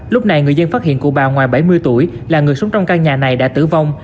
lúc này người dân phát hiện cụ bà ngoài bảy mươi tuổi là người sống trong căn nhà này đã tử vong